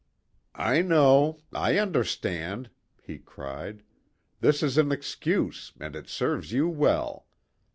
"I know. I understand," he cried. "This is an excuse, and it serves you well."